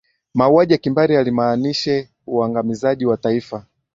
mauaji ya kimbari yalimaanishe uangamizaji wa taifa